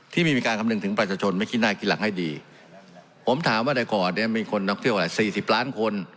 ที่ไม่มีการคำนึงถึงประชาชนไม่คิดหน้าคิดหลังให้ดีผมถามว่าแต่ก่อนเนี้ยมีคนท่องเที่ยวหลายสี่สิบล้านคน